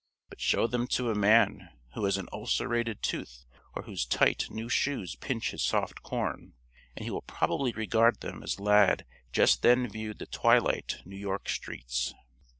But show them to a man who has an ulcerated tooth, or whose tight, new shoes pinch his soft corn, and he will probably regard them as Lad just then viewed the twilight New York streets.